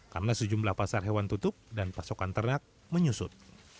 karena sejumlah pasar hewan tutup dan pasokan ternak menyusut